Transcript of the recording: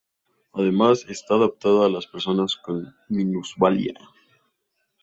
Además está adaptada a las personas con minusvalía.